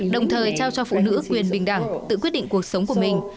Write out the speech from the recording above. đồng thời trao cho phụ nữ quyền bình đẳng tự quyết định cuộc sống của mình